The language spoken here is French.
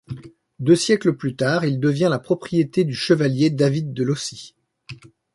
Deux siècles plus tard, il devient la propriété du chevalier David de Lossy.